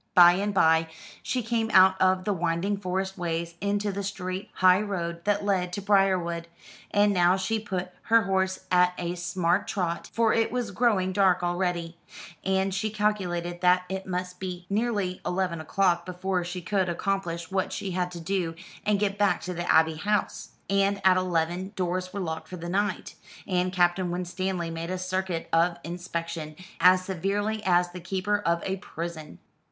By and by she came out of the winding forest ways into the straight high road that led to Briarwood, and now she put her horse at a smart trot, for it was growing dark already, and she calculated that it must be nearly eleven o'clock before she could accomplish what she had to do and get back to the Abbey House. And at eleven doors were locked for the night, and Captain Winstanley made a circuit of inspection, as severely as the keeper of a prison.